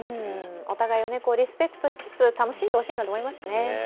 お互いをリスペクトしつつ楽しんでほしいなと思いますね。